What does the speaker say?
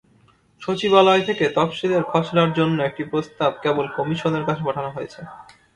সচিবালয় থেকে তফসিলের খসড়ার জন্য একটি প্রস্তাব কেবল কমিশনের কাছে পাঠানো হয়েছে।